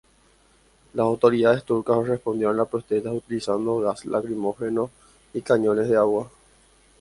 Las autoridades turcas respondieron a las protestas utilizando gas lacrimógeno y cañones de agua.